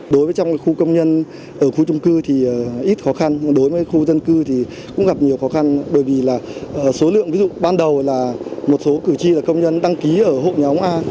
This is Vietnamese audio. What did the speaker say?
đối với trong khu công nhân ở khu trung cư thì ít khó khăn đối với khu dân cư thì cũng gặp nhiều khó khăn bởi vì là số lượng ví dụ ban đầu là một số cử tri là công nhân đăng ký ở hộ nhóm a